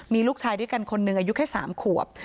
มีลูกชายด้วยกันคนหนึ่งอายุแค่๓ขวบ